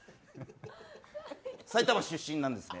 埼玉出身なんですね。